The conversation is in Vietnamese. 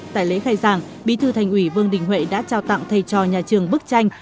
tại lễ khai giảng bí thư thành ủy vương đình huệ đã trao tặng thầy trò nhà trường bức tranh